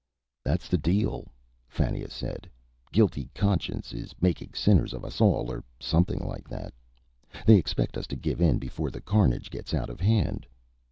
"That's the deal," Fannia said. "Guilty conscience is making sinners of us all, or something like that. They expect us to give in before the carnage gets out of hand."